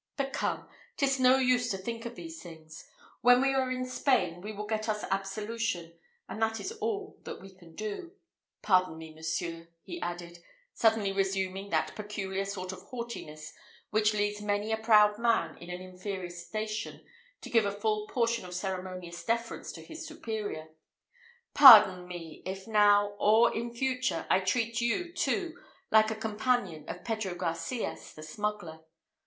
But come, 'tis no use to think of these things. When we are in Spain we will get us absolution, and that is all that we can do. Pardon me, monseigneur," he added, suddenly resuming that peculiar sort of haughtiness which leads many a proud man in an inferior station to give a full portion of ceremonious deference to his superior "pardon me, if now, or in future, I treat you, too, like a companion of Pedro Garcias, the smuggler.